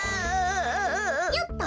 よっと！